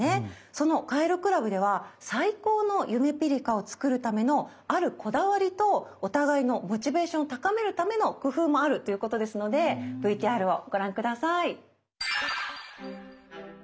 そのカエル倶楽部では最高のゆめぴりかを作るためのあるこだわりとお互いのモチベーションを高めるための工夫もあるということですのでＶＴＲをご覧下さい。